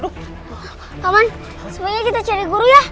kapan semuanya kita cari guru ya